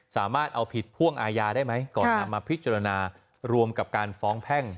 สามารถเอาผิดพ่วงอาญาได้ไหมก่อนนำมาพิจารณารวมกับการฟ้องแพ่ง